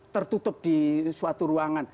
tertutup di suatu ruangan